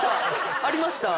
ありました？